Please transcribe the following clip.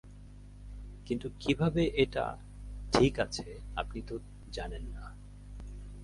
কিন্তু কিভাবে এটা-- ঠিক আছে, আপনি তো জানেন না।